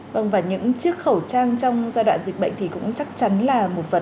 vâng và những chiếc khẩu trang trong giai đoạn dịch bệnh thì cũng chắc chắn là một vật